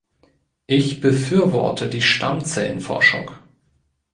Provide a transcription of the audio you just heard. Ich befürworte die Stammzellenforschung.